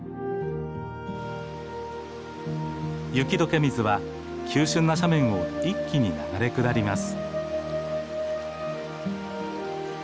雪どけ水は急しゅんな斜面を一気に流れ下ります。